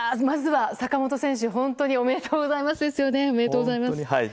まずは坂本選手、本当におめでとうございますですよね。